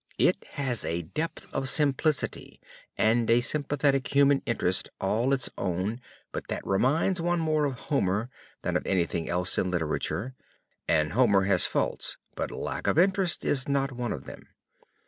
It has a depth of simplicity and a sympathetic human interest all its own but that reminds one more of Homer than of anything else in literature, and Homer has faults but lack of interest is not one of them.